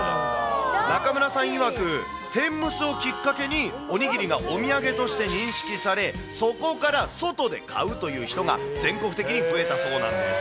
中村さんいわく、天むすをきっかけに、おにぎりがお土産として認識され、そこから外で買うという人が、全国的に増えたそうなんです。